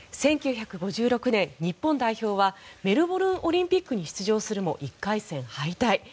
１９５６年、日本代表はメルボルンオリンピックに出場するも１回戦敗退。